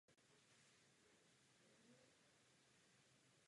Později se stal producentem oddělení reklamního vysílání.